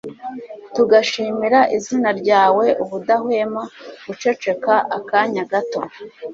tugashimira izina ryawe ubudahwema guceceka akanya gato